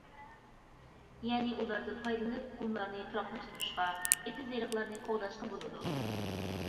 يەنى ئۇلاردىن پايدىلىنىپ قۇملارنى تۇراقلاشتۇرۇشقا، ئېتىز-ئېرىقلارنى قوغداشقا بولىدۇ.